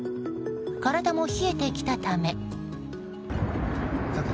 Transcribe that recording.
体も冷えてきたため。